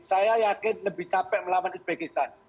saya yakin lebih capek melawan uzbekistan